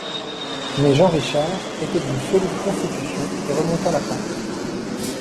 Mais Jean Richard était d'une solide constitution et remonta la pente.